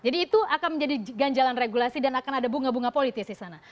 jadi itu akan menjadi ganjalan regulasi dan akan ada bunga bunga politis di sana